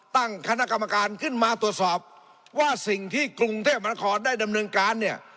ตั้งคณะกรรมการขึ้นมาตรวจสอบว่าสิ่งที่กรุงเทพมหานครได้ดำเนินการเนี่ย